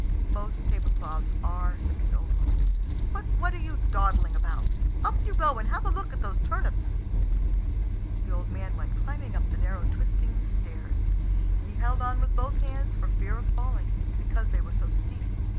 "Most tablecloths are," says the old woman. "But what are you dawdling about? Up you go and have a look at those turnips." The old man went climbing up the narrow twisting stairs. He held on with both hands for fear of falling, because they were so steep.